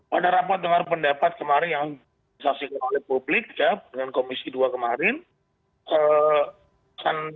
pada rapat dengar pendapat kemarin yang disaksikan oleh publik dengan komisi dua kemarin